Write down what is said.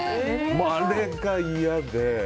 あれが、嫌で。